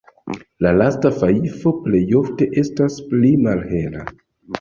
La lasta fajfo plej ofte estas pli malhela.